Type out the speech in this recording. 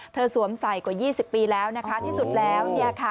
เธอสวมใส่กว่า๒๐ปีแล้วนะคะที่สุดแล้ว